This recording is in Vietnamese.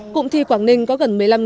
cụm thi quảng ninh có gần một mươi năm